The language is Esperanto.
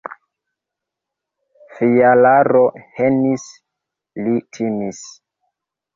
Fjalaro henis, li timis.